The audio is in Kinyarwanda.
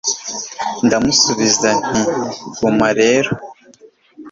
Ndamusubiza nti Guma rero